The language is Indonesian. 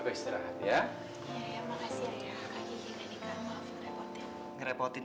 makasih ya kak dika maaf ngerepotin